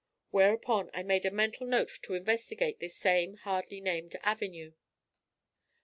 Whereupon I made a mental note to investigate this same hardly named avenue.